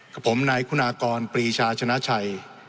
กับผมนายคุณากรปรีชาชนะชัย